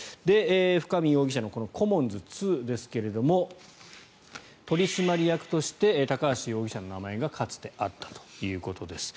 深見容疑者のコモンズ２ですが取締役として高橋容疑者の名前がかつてあったということです。